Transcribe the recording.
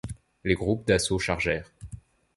Les groupes d'assaut chargèrent.